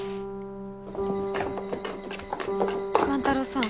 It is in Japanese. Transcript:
万太郎さん。